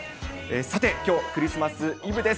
さて、きょうクリスマス・イブです。